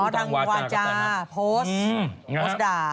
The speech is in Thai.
อ๋อดังวาจาโพสต์